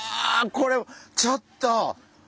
これちょっと！